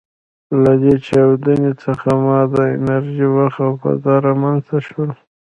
له دې چاودنې څخه ماده، انرژي، وخت او فضا رامنځ ته شول.